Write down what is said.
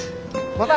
また。